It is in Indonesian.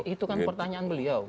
itu kan pertanyaan beliau